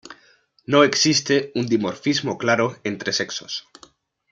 No existe un dimorfismo claro entre sexos.